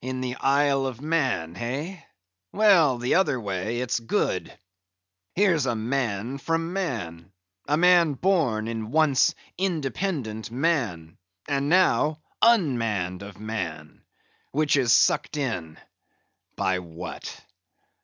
"In the Isle of Man, hey? Well, the other way, it's good. Here's a man from Man; a man born in once independent Man, and now unmanned of Man; which is sucked in—by what?